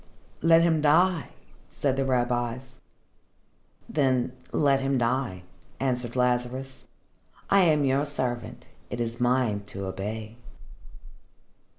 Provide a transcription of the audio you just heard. "Let him die," said the rabbis. "Then let him die," answered Lazarus. "I am your servant. It is mine to obey."